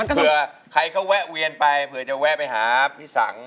เผื่อใครเขาแวะเวียนไปเผื่อจะแวะไปหาพี่สัง